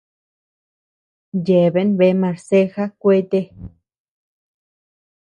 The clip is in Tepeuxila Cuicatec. Yeabean bea marceja kuete.